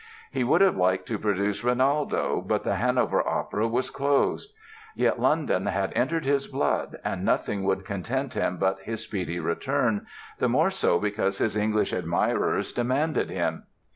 He would have liked to produce "Rinaldo" but the Hanover Opera was closed. Yet London had entered his blood and nothing would content him but his speedy return, the more so because his English admirers demanded him.